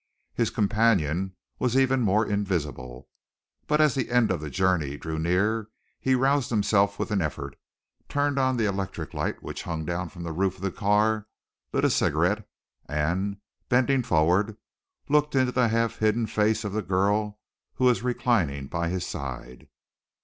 His companion was even more invisible, but as the end of the journey drew near he roused himself with an effort, turned on the electric light which hung down from the roof of the car, lit a cigarette, and, bending forward, looked into the half hidden face of the girl who was reclining by his side.